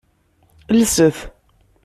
Lset.